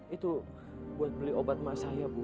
itu buat beli obat mah saya bu